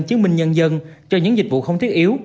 chứng minh nhân dân cho những dịch vụ không thiết yếu